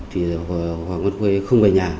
hoàng văn khê không về nhà